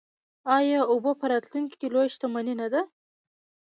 آیا اوبه په راتلونکي کې لویه شتمني نه ده؟